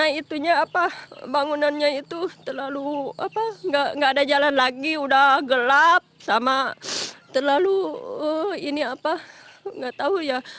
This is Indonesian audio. karena itunya apa bangunannya itu terlalu apa gak ada jalan lagi udah gelap sama terlalu ini apa gak tau ya